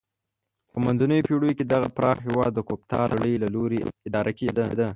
په منځنیو پیړیو کې دغه پراخ هېواد د کوپتا لړۍ له لوري اداره کېده.